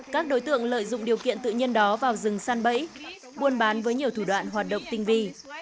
các đối tượng lợi dụng điều kiện tự nhiên đó vào rừng săn bẫy buôn bán với nhiều thủ đoạn hoạt động tinh vi